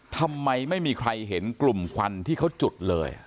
ทำไมไม่มีใครเห็นกลุ่มควันที่เขาจุดเลย